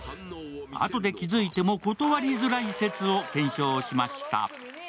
あとで気付いても断りづらい説を検証しました。